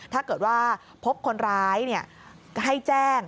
ถ้าเกิดว่าพบคนร้ายให้แจ้ง